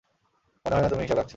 মনে হয় না তুমি হিসাব রাখছো।